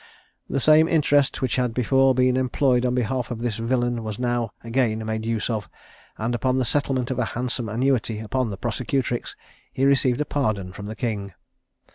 The same interest which had before been employed on behalf of this villain was now again made use of; and upon the settlement of a handsome annuity upon the prosecutrix, he received a pardon from the King.